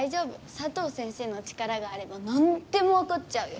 サトウ先生の力があればなんでもわかっちゃうよ。